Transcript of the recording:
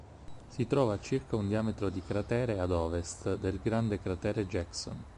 Si trova a circa un diametro di cratere ad ovest del grande cratere Jackson.